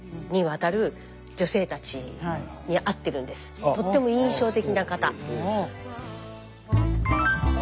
実はとっても印象的な方。